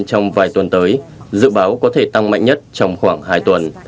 trong vài tuần tới dự báo có thể tăng mạnh nhất trong khoảng hai tuần